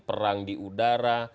perang di udara